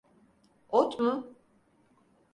Ot mu?